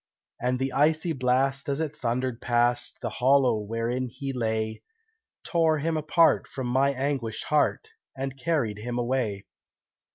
And the icy blast, as it thundered past The hollow wherein he lay, Tore him apart from my anguished heart, And carried him away.